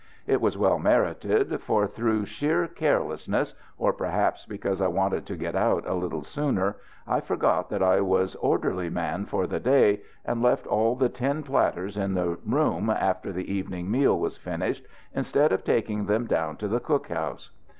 It was well merited, for, through sheer carelessness, or perhaps because I wanted to get out a little sooner, I forgot that I was orderly man for the day, and left all the tin platters in the room after the evening meal was finished, instead of taking them down to the cook house.